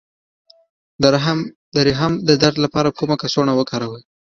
د رحم د درد لپاره ګرمه کڅوړه وکاروئ